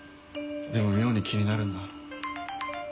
でも妙に気になるんだ。